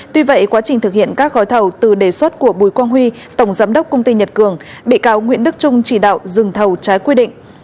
tuy vậy quá trình thực hiện các gói thầu từ đề xuất của bùi quang huy tổng giám đốc công ty nhật cường bị cáo nguyễn đức trung chỉ đạo dừng thầu trái quy định